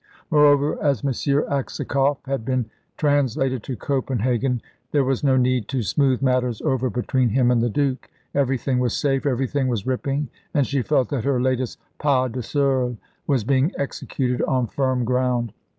Moreover, as M. Aksakoff had been translated to Copenhagen, there was no need to smooth matters over between him and the Duke. Everything was safe, everything was ripping, and she felt that her latest pas de seul was being executed on firm ground.